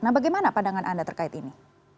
nah bagaimana pandangan anda terkait ini